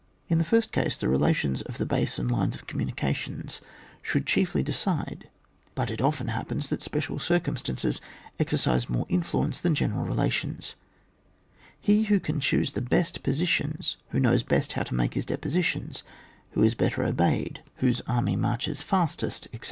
In the first case, the rela tions of the base and lines of communi cations should chiefly decide, but it often happens that special circumstances exer cise more influence than general rela tions ; he who can choose the best posi tions, who knows best how to maJse his dispositions, who is better obeyed, whose 10 0:S WAR, [boos vn. army marches fastest, etc.